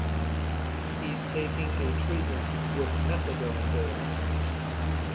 He’s taking a treatment with methadone there.